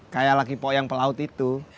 kayak laki laki pok yang pelaut itu